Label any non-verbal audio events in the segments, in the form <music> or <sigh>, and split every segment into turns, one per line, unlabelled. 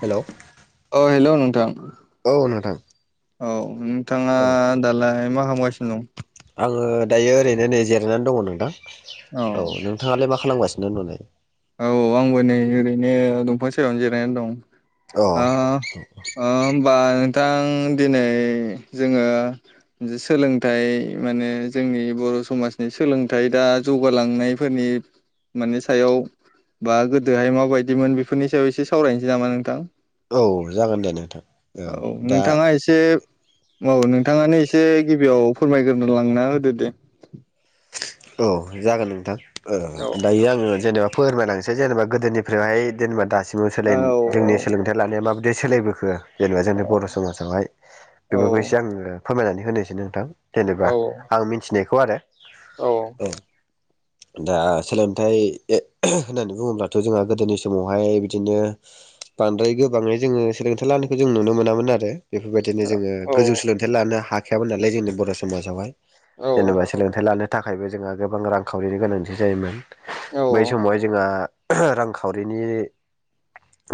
Hello
अ hello नोंथां
औ नोंथां
औ नोंथाङा
औ
दालाय मा खालामगासिनो दं
आङो दायो ओरैनो नै जिरायनानै दङ। नोंथां औ नोंथाङालाय मा खालामगासिनो दं दालाय?
औ आंबो नै ओरैनो दंफां सेरायावनो जिरायनानै दं।
अ
ओ ओ होनबा नोंथां दिनै जोङो सोलोंथाइ माने जोंनि बर' समाजनि सोलोंथाइ दा जौगालांनायफोरनि माने सायाव बा गोदोहाय माबायदिमोन बेफोरनि सायाव एसे सावरायनोसै नामा नोंथां
औ जागोन दे नोंथां
औ
दा
नोंथाङा एसे औ नोंथाङानो एसे गिबियाव फोरमायग्रो लांना होदो दे।
औ जागोन नोंथां
औ
दायो आङो जेनेबा फोरमायनांसै जेनबा गोदोनिफ्रायहाय जेनबा दासिमाव जोंनि
औ
सोलोंथाइ लानाया माब सोलायबोखो जेनबा जोंनि
औ
बर' समाजावहाय
औ
बेफोरखौ एसे आङो फोरमायनानै होनोसै नोंथां
औ
जेनेबा आं मिथिनायखौ आरो औ दा सोलोंथाइ होननानै बुङोब्लाथ' जोंहा गोदोनि समावहाय बिदिनो बांद्राय गोबाङै जोङो सोलोंथाइ लानायखौ जों नुनो मोनामोन आरो बेफोरबायदिनो जोङो
औ
गोजौ सोलोंथाइ लानो हाखायामोन नालाय जोंनि बर' समाजावहाय
औ
जेनेबा सोलोंथाइ लानो थाखायबो जोंहा गोबां रांखावरिनि गोनांथि जायोमोन
औ
बै समावहाय जोंहा रांखावरिनि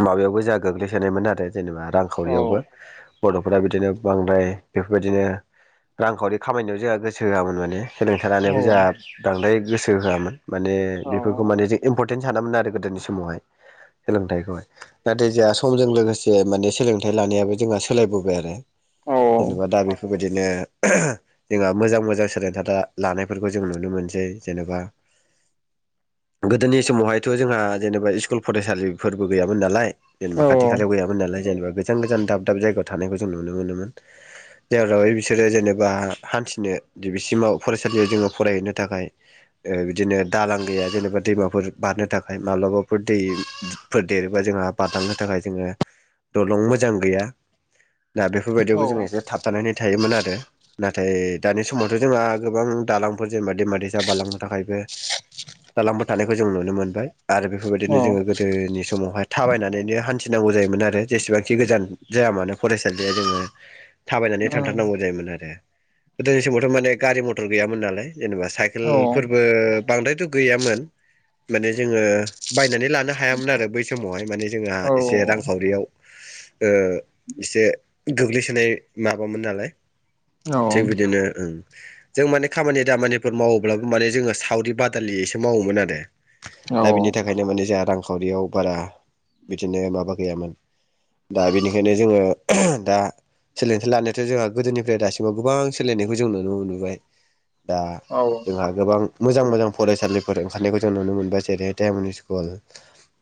माबायावबो जाहा गोग्लैसोनायमोन आरो जेनेबा
औ
रांखावरियावबो बर'फोरा बिदिनो बांद्राय बेफोरबायदिनो रांखावरि खामायनायाव जोंहा गोसो होआमोन माने
औ
जोंहा बांद्राय गोसो होआमोन माने
औ
बेफोरखौ माने जों इमपर इमपरटेन सानामोन आरो गोदोनि समावहाय सोलोंथाइखौहाय नाथाय जोंहा समजों लोगोसे माने सोलोंथाइ लानायाबो जोंहा सोलायबोबाय आरो
औ
जेनेबा दा बेफोरबायदिनो जोंहा मोजां मोजां सोलोंथाय लानायफोरखौ जों नुनो मोनसै जेनबा गोदोनि समावहायथ' जोंहा जेनबा स्कुल फरायसालिफोरबो गैयामोन नालाय
औ
जेनबा खाथि खालायाव गैयामोन नालाय जेनबा गोजान गोजान दाब दाब जायगायाव थानायखौ जों नुनो मोनोमोन जेरै बिसोरो जेनबा हान्थिनो बिसिमाव फरायसालियाव जोङो फरायहैनो थाखाय बिदिनो दालां गैया जेनेबा दैमाफोर बारनो थाखाय मा माब्लाबाफोर दैफोर देरोबा जोंहा बारलांनो थाखाय जोङो दलं मोजां गैया दा बेफोरबायदियावबो जों
औ
एसे थाबथानानै थायोमोन आरो नाथाय दानि समावथ' जोंहा गोबां दालांफोर जेनबा दैमा दैसा बारलांनो थाखायबो दालांफोर थानायखौ जों नुनो मोनबाय आरो बेफोरबायदिनो जोङो गोदोनि समावहाय थाबायनानैनो हान्थि हान्थिनांगौ जायोमोन आरो जेसेबांखि गोजान जाया मानो फरायसालिया जेनबा थाबायनानै थांथारनांगौ जायोमोन आरो गोदोनि समावथ' माने गारि मथर गैयामोन नालाय जेन'बा साइकेलफोरबो बांद्रायथ' गैयामोन माने जोङो बाइ नानै लानो हायामोन आरो बै समावहाय माने जोंहा एसे रांखावरियाव ओ एसे गोग्लैसोनाय माबामोन नालाय। थिग बिदिनो ओं। जों माने खामानि दामानिफोर मावोब्लाबो माने जोङो सावरि बादालियैसो मावोमोन आरो। दा बिनि थाखायनो मानि जोंहा रांखावरियाव बारा बिदिनो माबा गैयामोन। दा बेनिखायनो जोङो दा सोलोंथाइ लानायाथ' जोंहा गोदोनिफ्राय दासिमाव गोबां सोलायनायखौ जों नुनो मोनबोबाय। दा जोंहा गोबां मोजां मोजां फरायसालिफोर ओंखारनायखौ जों नुनो मोनबाय जेरै डाइमन स्कुल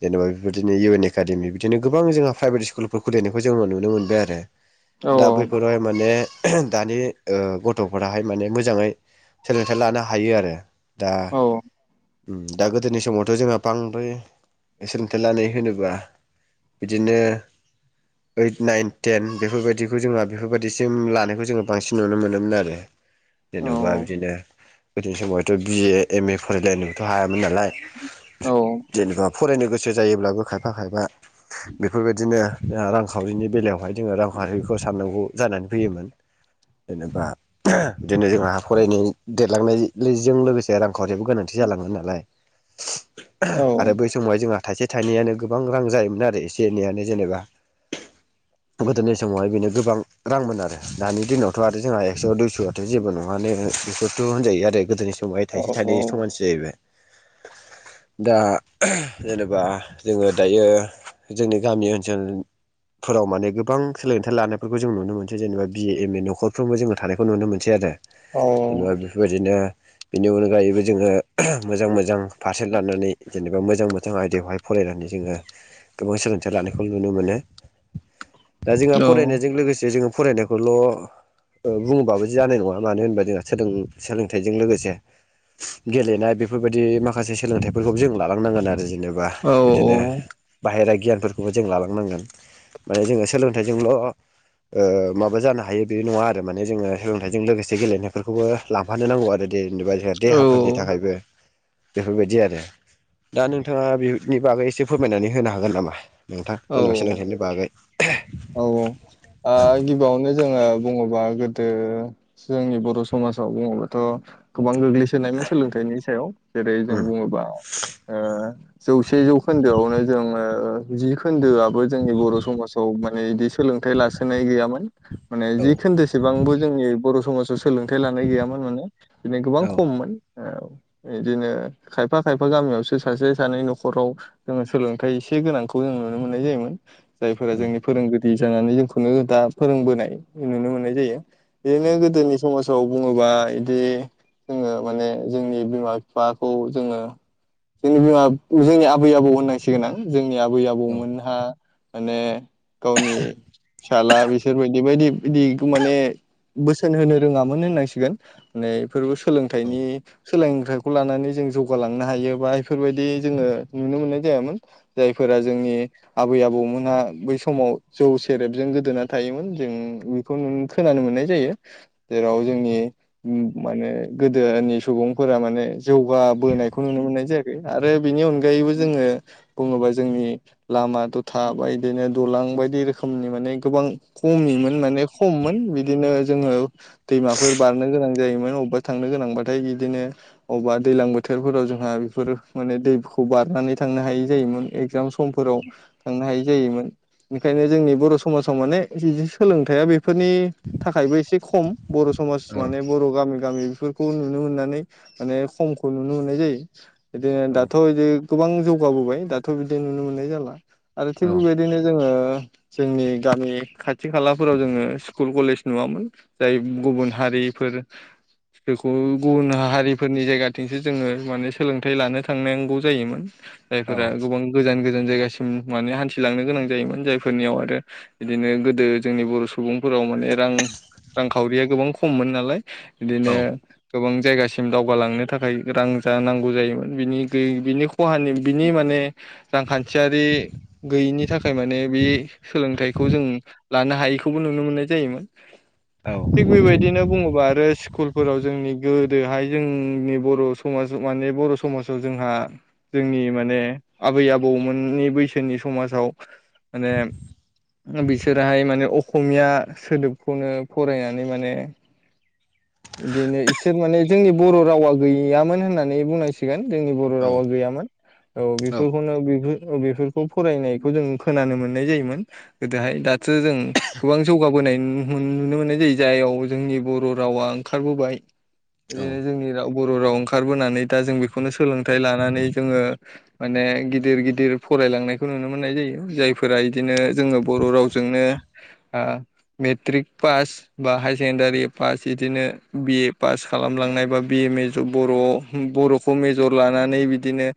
जेन'बा बेफोरबायदिनो इउ एन एकाडेमि बिदिनो गोबां जोंहा प्राइभेट स्कुलफोर खुलिनायखौ जोङो नुनो मोनबाय आरो। दा बैफोरावहाय माने दानि ओ गथ'फोराहाय माने मो जाङै सोलोंथाइ लानो हायो आरो दा
औ
उम दा गोदोनि समावथ' जोंहा बांद्राय सोलोंथाइ लानाय होनोबा बिदिनो ओइद नाइन तेन बेफोरबायदिखौ जोंहा बेफोरबायदिसिम लानायखौ जोङो बांसिन नुनो मोनोमोन आरो। जेन'बा बिदिनो गोदोनि समावथ' बि ए एम ए फरायलायनोबोथ' हायामोन ना लाय जेनोबा फरायनो गोसो जायोब्लाबो खायफा खायफा बेफोरबायदिनो जोंहा रांखावरिनि बेलायावहाय जोङो रांखावरिखौ साननांगौ जानानै फैयोमोन। जेनोबा बिदिनो जोंहा फरायनाय देरलांनाय लैजों लोगोसे रांखावरियाबो गोनांथि जालाङो नालाय
<inaudible>
आरो बै समावहाय जोंहा थाइसे थाइनैयानो गोबां रां जायोमोन आरो एसे एनैयानो जेनेबा। गोदोनि समावहाय बिनो गोबां रांमोन आरो दानि दिनावथ' आरो जोंहा एक्स' दुइस' थ' जेबो नङानो बेफोरथ' होनजायो आरो गोदोनि समावहाय थाइसे थाइनैजों समानसो जाहैबाय
<inaudible>
दा जेनोबा जोङो दायो जोंनि गामि ओनसोल फोराव माने गोबां सोलोंथाइ लानायफोरखौ जों नुनो मोनसै जेनेबा बि ए एम ए नखरफ्रोमबो जोङो थानायखौ नुनो मोन सै आरो, जेनोबा बेफोरबादिनो बेनि अनगायैबो जोङो मोजां मोजां फारसेन लानानै जेनो बा मोजां मोजां आयदायावहाय फरायनानै जोङो गोबां सोलोंथाइ लानायखौ नुनो मोनो।
<inaudible>
दा जोंहा फरायनायजों लोगोसे जोङो फरायनायखौल' बुङोबाबो जानाय नङा मानो होनबा जोंहा सोदों सोलोंथाइजों लोगोसे गेलेनाय बेफोरबायदि माखासे सोलोंथाइफोरखौ जों लालांनांगोन आरो जे नोबा बिदिनो बाहेरा गियानफोरखौबो जों लालांनांगोन ओ जोङो सोलोंथाइजोंल' ओ माबा जानो हायो बे नङा आरो माने जोङो सोलोंथाइजों लोगोसे गेलेनायफोरखौबो लांफानो नांगौ आरो देनोबा जोंहा देहाफोरनि थाखायबो। बेफोरबादि आरो दा नोंथाङा बेनि बागै एसे फोरमायनानै होनो हागोन नामा? नोंथां
औ
जेनेबा सोलोंथाइनि बागै।
आ गिबियावनो जोङो बुङोबा गो दो जोंनि बर समाजाव बुङोबाथ' गोबां गोग्लैसोनायमोन सोलोंथाइनि सायाव जेरै जों
उम
बुङोबा ओ जौसे जौखोन्दोआवनो जोङो जि खोन्दोआबो जोंनि बर' समाजाव माने इदि सोलोंथाइ लासोनाय गैयामोन माने
औ
जि खोन्दोसोबांबो जोंनि बर' समाज सोलोंथाइ लानाय गैयामोन माने बिदिनो गोबां
औ
खममोन ओ बिदिनो खायफा खायफा गामियावसो सासे सानै नखराव जोङो सोलोंथाइ एसे गोनांखौ जों नुनो मोननाय जायोमोन जायफोरा
औ
जोंनि फोरोंगिरि जानानै जोंखौनो दा फोरोंबोनाय नुनो मोननाय जायो।
औ
बेनो गोदोनि समाव औ बुङोबा इदि जोङो माने जोंनि बिमा बिफाखौ जोङो जोंनि बिमा जोंनि आबै आबौ होननांसिगोन आं जों नि आबै आबौमोनहा माने गावनि फिसाला बिसोरबायदि बायदि बिदिखौ माने बोसोन होनो
औ
सोलोंथाइखौ लानानै जों जौगालांनो हायो बा बेफोरबायदि जोङो नुनो मोननाय जायामोन। जायफोरा जोंनि आबै आबौमोनहा बैसाग समाव जौ सेरेबजों गोदोना थायोमोन जों बेखौ नु खोनानो मोननाय जायो।
औ
जेराव जोंनि ओम माने गोदोनि सुबुंफोरा माने जौगाबोनायखौ नुनो मोननाय जायाखै आरो बिनि नि अनगायैबो जोङो बुङोबा जोंनि लामा दथा बा इदिनो दलां बायदि रोखोमनि माने गोबां खमिमोन माने खममोन बिदिनो जोङो दैमाफोर बारनो गोनां जायोमोन अबेबा थांनो गोनांबाथाय बिदिनो अबेबा बा दैलां बोथोरफोराव जोंहा बेफोर माने दैखौ बारनानै थांनो हायै जायोमोन एकजाम समफोराव थांनो हायै जायोमोन। बेखायनो जोंनि बर' समाजाव माने जि सोलोंथाइया बे फोरनि थाखायबो एसे खम बर' समाज माने बर' गामि गामि बेफोरखौ नुनो मोननानै माने खमखौ नुनो मोननाय जायो बिदिनो
औ
दाथ' इदि गोबां जौगाबोबाय दाथ' बिदि नुनो मोननाय जाला आरो थिग बेबायदिनो ओ जोंनि गामि खाथि खालाफोराव जोङो स्कुल कलेज नुवामोन जाय गुबुन हारिफोर बेखौ गुबुन हारिफोरनि जायगाथिंसो जोङो माने सोलोंथाइ लानो थांनांगौ जायोमोन। जायफोरा गोबां गोजान गोजान जायगासिम माने हान्थिलांनो गोनां जायोमोन जायफोरनियाव आरो बिदिनो गोदो जोंनि बर' सुबुंफोराव माने रां रांखावरि गोबां खममोन नालाय बिदिनो गोबां जायगासिम दावगालांनो थाखाय रां जा नांगौ जायो मोन। बिनि बिनि खहानि बिनि माने रांखान्थियारि गैयिनि था खाय माने बे सोलोंथाइखौ जों लानो हायैखौबो नुनो मोननाय जायोमोन।
औ।
बिदिनो बुङोबा आरो स्कुलफोराव जोंनि गोदोहाय जोंनि बर' समाज माने बर' समा जाव जोंहा जोंनि माने आबै आबौमोननि बैसोनि समाजाव माने बिसोराहाय माने अकमिया सोदोबखौनो फरायनानै माने बिदिनो इसोर माने जोंनि बर' रावा गैयामोन होननानै बुंनांसिगोन। जोंनि बर' रावा गैयामोन औ बेफोरखौनो बेफोर बेफोरखौ फरायनायखौ जों खोनानो मोननाय जायोमोन गोदोहाय दाथो जों गोबां जौगा बोनाय नु ओम नुनो मोननाय जायो जाययाव जोंनि बर' रावा ओंखारबोबाय ओ जोंनि रावबो बर' राव ओंखारबोनानै दा जों बेखौनो सोलोंथाइ लानानै जोङो माने गिदिर गिदिर फराय लांनायखौ नुनो मोननाय जायो जायफोरा बिदिनो जोङो बर' रावजोंनोे आं मेट्रिक पास बा हायार सेकेण्डारि पास इदिनो बि ए पास खालामलांनाय बा बि एम ए बर'आव बर'खौ मेजर लानानै बिदिनो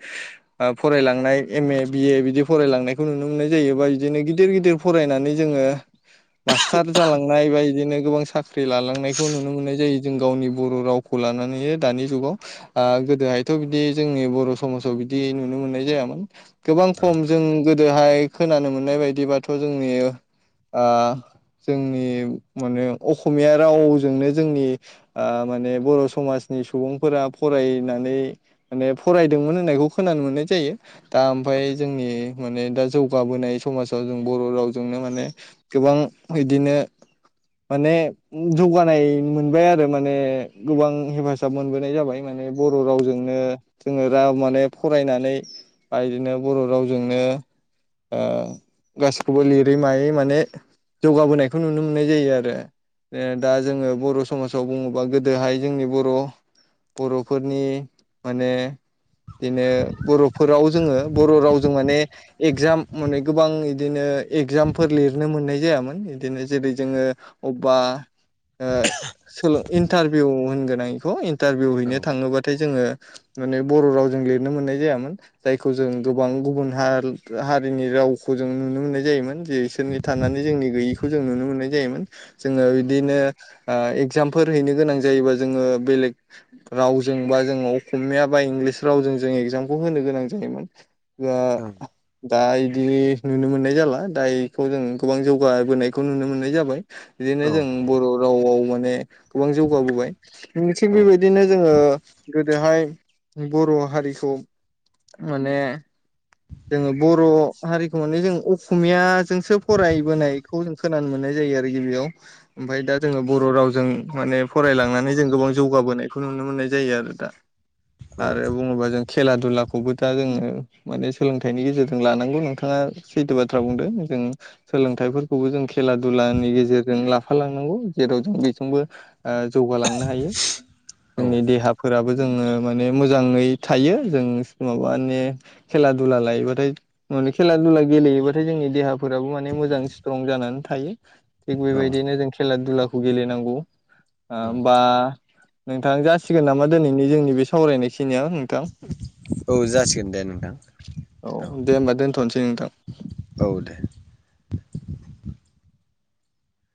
ओ फरायलांनाय एम ए बिए बिदि फरायलांनायखौ नुनो मोननाय जायो बा बिदिनो गिदिर गिदिर फराय नानै जोङो मास्टार जालांनाय बा बिदिनो गोबां साख्रि लालांनायखौ नुनो मोननाय जायो। जों गावनि बर' रावखौ लानानै दानि जुगाव आ गोदोहायथ' बिदि जोंनि बर' समाजाव बि दि नुनो मोननाय जायामोन गोबां खम जों गोदोहाय खोनानो मोननाय बायदिबाथ' जोंनि ओ जोंनि माने अकमिया रावजोंनो जोंनि ओ माने बर' समाजनि सुबुंफोरा फरायनानै माने फरायदोंमोन होननायखौ खोनानो मोननाय जायो। दा ओमफाय जोंनि माने दा जौगाबोनाय समाजाव जों बर' रावजोंनो माने गोबां इदिनो माने जौगानाय मोनबाय आ रो माने गोबां हेफाजाब मोनबोनाय जाबाय माने बर' रावजोंनो जोङो राव माने फरायनानै बा इदिनो बर' रावजोंनो ओ गासिखौबो लिरै मायै माने जौगाबोनायखौ नुनो मोननाय जायो आरो। दा जोङो बर' <unintelligible> बुङोबा गोदोहाय जोंनि बर' बर'फोरनि माने बिदिनो बर'फोराव जोङो बर' रावजों माने एकजाम माने गोबां इदिनो एकजामफोर लिरनो मोननाय जायामोन। इदिनो जेरै जोङो अब्बा ओ सोलों इन्टारभिउ होनगोन आं इखौ इन्टारभिउ हैनो थाङोबाथाय जोङो माने बर' रावजों लिरनो मोननाय जायामोन, जायखौ जों गोबां गुबुन हाल हा रिनि रावखौ जों नुनो मोननाय जायोमोन। इसोरनि थानानै जोंनि गैयैखौ जोङो नुनो मोननाय जायोमोन। जोङो बिदिनो ओ एक जामफोर हैनो गोनां जायोबा जोङो बेलेग रावजों बा जोङो अखमिया बा इंलिस रावजों जों एगजामखौ होनो गोनां जायोमोन <unintelligible> दा इदि नुनो मोननाय जाला। दा इखौ जों गोबां जौगाबोनायखौ नुनो मोननाय जाबाय। बिदिनो जों बर' रावाव माने गोबां जौगाबोबाय थिग बेबायदिनो जोङो गोदोहाय बर' हारिखौ माने जोङो बर' हारिखौ माने जों अखमियाजोंसो फरायबोनायखौ जों खोनानो मोननाय जायो आरो गिबियाव ओमफ्राय दा जोङो बर' रावजों माने फरायलांनानै जों गोबां जौगाबोनायखौ नुनो मोननाय जायो आरो दा आरो बुङोबा जों खेला दुलाखौबो दा जोङो माने सोलोंथाइनि गेजेरजों लानांगौ नोंथाङा सैथो बाथ्रा बुंदों जों सोलोंथाइफोरखौबो जों खेला दुला लानि गेजेरजों लाफालांनांगौ, जेराव जों बेजोंबो ओ जौगालांनो हायो।
औ
जोंनि देहाफोराबो जोङो माने मोजाङै थायो जों माबानि खेला दुला लायोबाथाय, माने खेला दुला गेलेयोबाथाय जोंनि देहाफोराबो माने मोजां स्ट्रं जानानै थायो। थिग
औ
बेबायदिनो जों खेला दुलाखौ गेलेनांगौ ओ बा नोंथां जासिगोन नामा दोनैनि जोंनि बे सावरायनायखिनिया नोंथां?
औ जासिगोन दे नोंथां।
औ दे होमबा दोनथ'नोसै नोंथां।
औ दे।